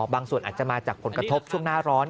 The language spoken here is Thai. ส่วนอาจจะมาจากผลกระทบช่วงหน้าร้อน